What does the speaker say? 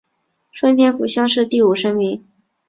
顺天府乡试第五十名。